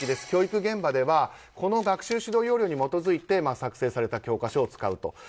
教育現場ではこの学習指導要領に基づいて作成された教科書を使うと。